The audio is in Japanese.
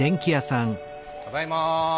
ただいま！